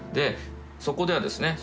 そこではですね